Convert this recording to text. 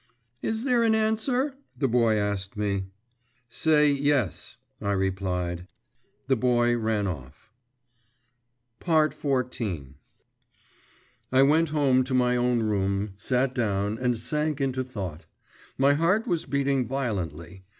'Is there an answer?' the boy asked me. 'Say, yes,' I replied. The boy ran off. XIV I went home to my own room, sat down, and sank into thought. My heart was beating violently.